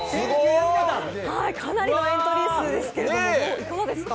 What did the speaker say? かなりのエントリー数ですがいかがですか。